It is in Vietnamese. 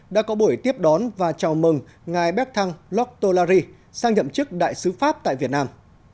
đã có buổi tiếp đón và chào mừng ngài béc thăng lóc tô la ri sang nhậm chức đại sứ pháp tại việt nam